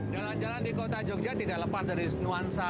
jalan jalan di kota jogja tidak lepas dari nuansa